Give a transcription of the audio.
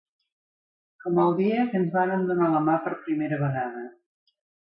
Com el dia que ens vàrem donar la mà per primera vegada.